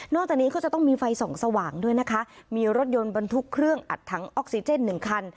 จากนี้ก็จะต้องมีไฟส่องสว่างด้วยนะคะมีรถยนต์บรรทุกเครื่องอัดถังออกซิเจนหนึ่งคัน